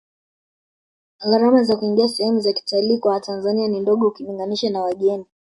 gharama za kuingia sehemu za kitalii kwa watanzania ni ndogo ukilinganisha na wageni